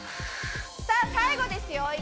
さあ最後ですよ。